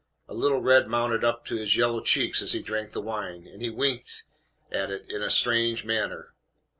A little red mounted up to his yellow cheeks as he drank the wine, and he winked at it in a strange manner.